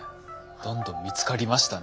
どんどん見つかりましたね。